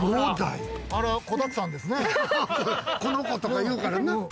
この子とか言うからな。